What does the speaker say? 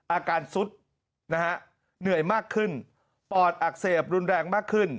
อาการซุดนะฮะเหนื่อยมากขึ้นปอดอักเสบรุนแรงมากขึ้น